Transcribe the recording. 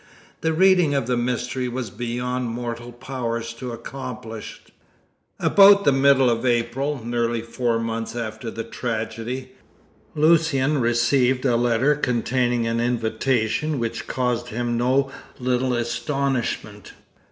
The reading of the mystery was beyond mortal powers to accomplish. About the middle of April, nearly four months after the tragedy, Lucian received a letter containing an invitation which caused him no little astonishment.